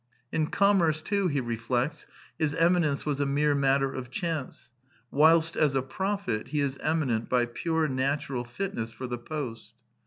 In commerce, too, he reflects, his emi nence was a mere matter of chance, whilst as a prophet he is eminent by pure natural fitness for the post.